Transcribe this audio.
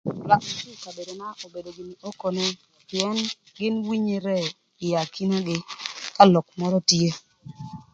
Lwak më kabedona obedo gïnï okone pïën gïn winyere akinagï ka lok mörö tye.